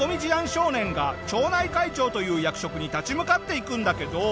少年が町内会長という役職に立ち向かっていくんだけど。